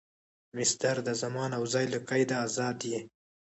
مصدر د زمان او ځای له قیده آزاد يي.